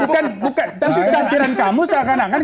tapi taksiran kamu seakan akan